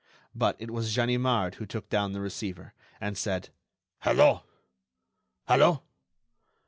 But it was Ganimard who took down the receiver, and said: "Hello!... Hello!...